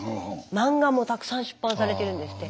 漫画もたくさん出版されてるんですって。